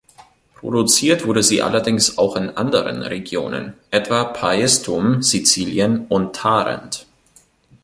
Produziert wurde sie allerdings auch in anderen Regionen, etwa Paestum, Sizilien und Tarent.